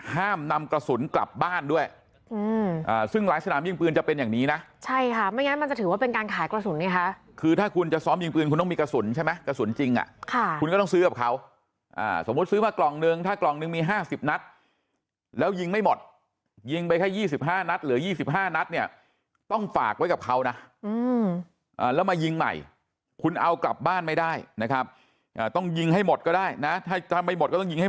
ห้ามนำกระสุนกลับบ้านด้วยซึ่งหลายสถานายิ่งปืนจะเป็นอย่างนี้นะใช่ค่ะไม่งั้นมันจะถือว่าเป็นการขายกระสุนนี้ค่ะคือถ้าคุณจะซ้อมยิงปืนคุณต้องมีกระสุนใช่ไหมกระสุนจริงค่ะคุณก็ต้องซื้อกับเขาสมมุติซื้อมากล่องนึงถ้ากล่องนึงมี๕๐นัดแล้วยิงไม่หมดยิงไปแค่๒๕นัดเหลือ๒๕นัดเนี่ยต้องฝ